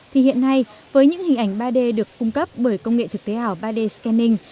thì hiện nay với những hình ảnh ba d được cung cấp bởi công nghệ thực tế ảo ba d scanning